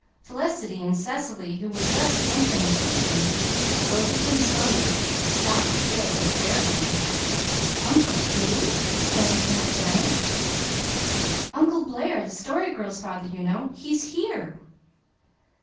Felicity and Cecily, who were just entering the kitchen, rosy from slumber, stopped still and stared at me. "Uncle who?" exclaimed Aunt Janet. "Uncle Blair the Story Girl's father, you know. He's here."